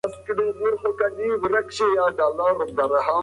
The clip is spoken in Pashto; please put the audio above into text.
فلسفې د پرمختګ مفاهیم وړاندې کړل.